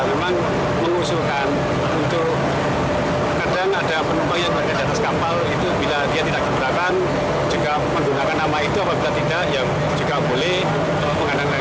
memang mengusulkan untuk kadang ada penumpang yang ada di atas kapal itu bila dia tidak gebrakan juga menggunakan nama itu apabila tidak ya juga boleh mengandalkan lagi